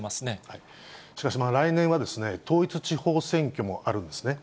しかし、来年は、統一地方選挙もあるんですね。